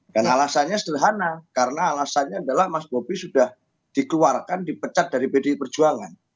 dan alasannya sederhana karena alasannya adalah mas bobi sudah dikeluarkan dipecat dari pdi perjuangan